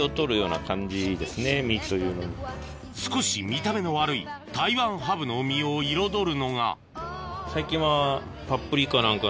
少し見た目の悪いタイワンハブの身を彩るのが最近は。